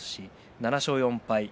７勝４敗。